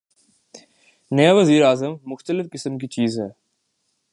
نیا وزیر اعظم مختلف قسم کی چیز ہے۔